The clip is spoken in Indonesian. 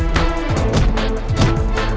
nggak c pria